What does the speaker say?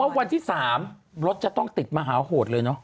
แสดงว่าวันที่๓รถจะต้องติดมหาโหดเลย